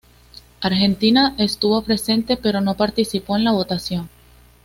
Argentina estuvo presente pero no participó en la votación.